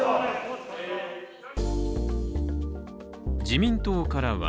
自民党からは